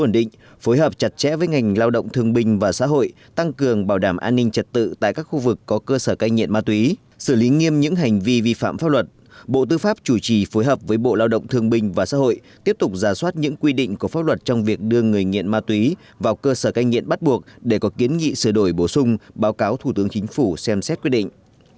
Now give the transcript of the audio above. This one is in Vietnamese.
để công tác quản lý người nghiện và xã hội tăng cường bảo đảm an ninh trật tự tại các khu vực có cơ sở cai nghiện ma túy xử lý nghiêm những hành vi vi phạm pháp luật bộ tư pháp chủ trì phối hợp với bộ lao động thương bình và xã hội tiếp tục giả soát những quy định có pháp luật trong việc đưa người nghiện ma túy vào cơ sở cai nghiện bắt buộc để có kiến nghị sửa đổi bổ sung báo cáo thủ tướng chính phủ xem xét quy định